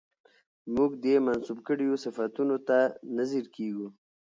موږ دې منسوب کړيو صفتونو ته نه ځير کېږو